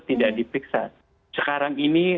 tidak dipiksa sekarang ini